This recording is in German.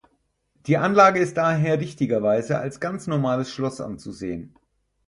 Die Anlage ist daher richtigerweise als ganz normales Schloss anzusehen.